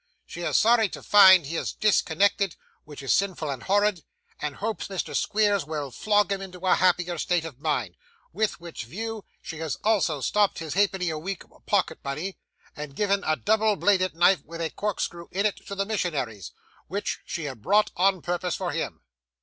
She is sorry to find he is discontented, which is sinful and horrid, and hopes Mr. Squeers will flog him into a happier state of mind; with which view, she has also stopped his halfpenny a week pocket money, and given a double bladed knife with a corkscrew in it to the Missionaries, which she had bought on purpose for him.